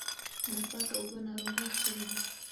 ناپاکه اوبه ناروغي خپروي.